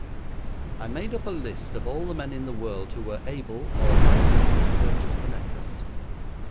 I made up a list of all the men in the world who were able or likely to purchase the necklace.